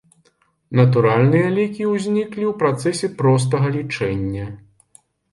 Натуральныя лікі ўзніклі ў працэсе простага лічэння.